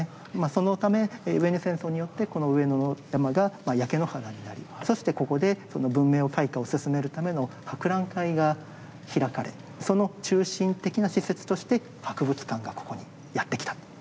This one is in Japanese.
そのため上野戦争によってこの上野の山が焼け野原になりそしてここでその文明開花を進めるための博覧会が開かれその中心的な施設として博物館がここにやってきたと。